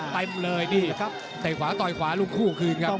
เต็มเลยนี่ครับแต่ขวาต่อยขวาลุงคู่คืออย่างงี้ครับ